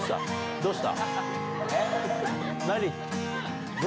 どうした？